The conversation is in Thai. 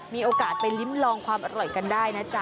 มีโอกาสไปลิ้มลองความอร่อยกันได้นะจ๊ะ